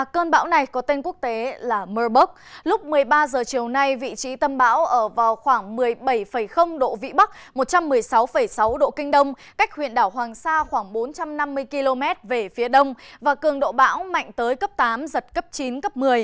cơn bão này có tên quốc tế là mơburg lúc một mươi ba h chiều nay vị trí tâm bão ở vào khoảng một mươi bảy độ vĩ bắc một trăm một mươi sáu sáu độ kinh đông cách huyện đảo hoàng sa khoảng bốn trăm năm mươi km về phía đông và cường độ bão mạnh tới cấp tám giật cấp chín cấp một mươi